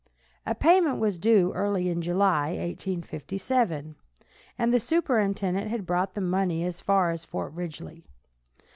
A payment was due early in July, 1857, and the superintendent had brought the money as far as Fort Ridgely.